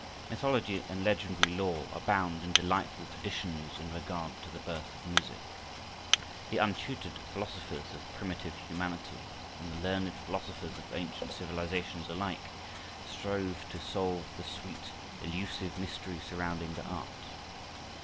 Mythology and legendary lore abound in delightful traditions in regard to the birth of music. The untutored philosophers of primitive humanity and the learned philosophers of ancient civilizations alike strove to solve the sweet, elusive mystery surrounding the art.